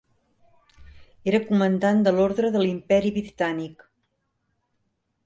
Era comandant de l'Orde de l'Imperi Britànic.